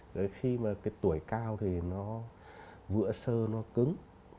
đấy khi mà cái tuổi cao thì nó vữa sơ nó cứng